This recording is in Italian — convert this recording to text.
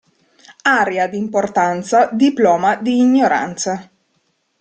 Aria d'importanza, diploma di ignoranza.